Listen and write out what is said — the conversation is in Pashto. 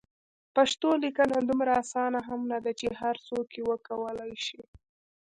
پښتو لیکنه دومره اسانه هم نده چې هر څوک یې وکولای شي.